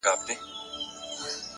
نیکي د وخت له تېرېدو نه زړېږي.!